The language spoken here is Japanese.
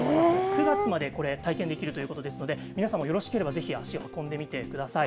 ９月までこれ、体験できるということですので、皆さんもよろしければぜひ、足を運んでみてください。